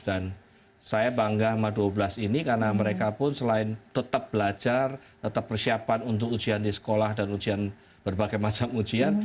dan saya bangga sama dua belas ini karena mereka pun selain tetap belajar tetap persiapan untuk ujian di sekolah dan ujian berbagai macam ujian